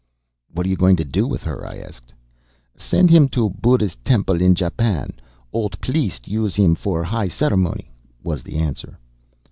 "What are you going to do with her?" I asked. "Send him to Buddhist temple in Japan. Old pliest use him for high celemony," was the answer.